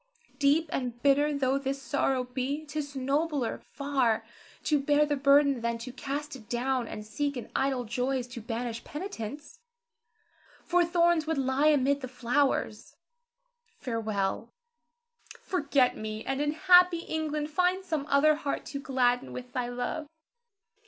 Deep and bitter though this sorrow be, 'tis nobler far to bear the burden than to cast it down and seek in idle joys to banish penitence; for thorns would lie amid the flowers. Farewell! Forget me, and in happy England find some other heart to gladden with thy love.